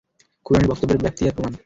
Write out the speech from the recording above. কুরআনের বক্তব্যের ব্যাপ্তিই এর প্রমাণ।